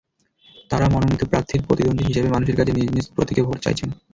তাঁরা মনোনীত প্রার্থীর প্রতিদ্বন্দ্বী হিসেবে মানুষের কাছে নিজ নিজ প্রতীকে ভোট চাইছেন।